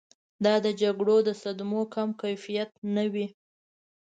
دا د جګړیزو صدمو کم کیفیت نه وي.